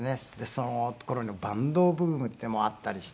その頃のバンドブームっていうのもあったりして。